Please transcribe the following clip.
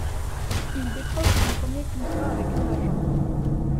Il décroche son premier contrat avec un agent.